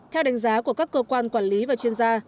theo đánh giá của các cơ quan quản lý và chuyên gia